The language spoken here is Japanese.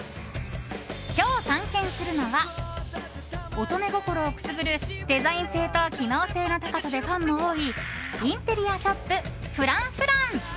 今日探検するのは乙女心をくすぐるデザイン性と機能性の高さでファンも多いインテリアショップＦｒａｎｃｆｒａｎｃ。